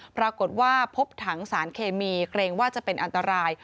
ปรากฏว่าพบถังสารเคมีเกรงว่าจะเป็นอันตราย